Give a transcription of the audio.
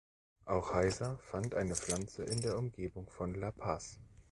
Auch Heiser fand eine Pflanze in der Umgebung von La Paz.